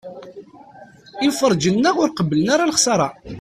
Imferrǧen-nneɣ ur qebblen ara lexṣara.